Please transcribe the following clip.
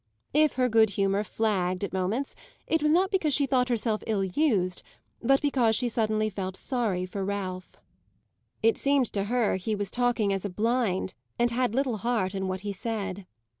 If her good humour flagged at moments it was not because she thought herself ill used, but because she suddenly felt sorry for Ralph. It seemed to her he was talking as a blind and had little heart in what he said.